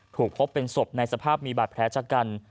ถูกพบเป็นศพในสภาพมีบาดแผลชะกัน